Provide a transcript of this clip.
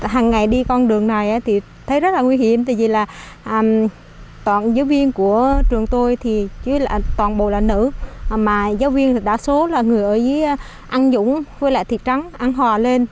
hàng ngày đi con đường này thì thấy rất là nguy hiểm tại vì là toàn giáo viên của trường tôi thì toàn bộ là nữ mà giáo viên thì đa số là người ở dưới ăn dũng với lại thịt trắng ăn hòa lên